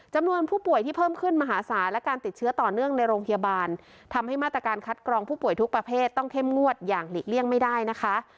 จำนวนผู้ป่วยที่เพิ่มขึ้นมหาศาลและการติดเชื้อต่อเนื่องในโรงพยาบาลทำให้มาตรการคัดกรองผู้ป่วยทุกประเภทต้องเข้มงวดอย่างหลีกเลี่ยงไม่ได้นะคะ